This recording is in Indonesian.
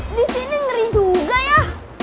di sini ngeri juga ya